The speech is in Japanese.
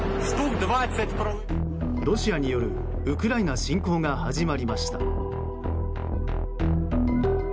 ロシアによるウクライナ侵攻が始まりました。